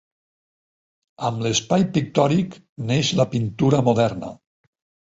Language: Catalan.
Amb l'espai pictòric neix la pintura moderna.